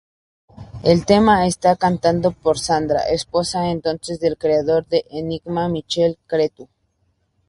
El tema está cantado por Sandra, esposa entonces del creador de Enigma, Michael Cretu.